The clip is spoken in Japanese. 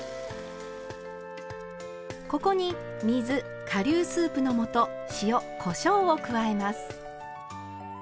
ここに水顆粒スープの素塩こしょうを加えます。